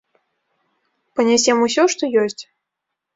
Панясем усё, што ёсць.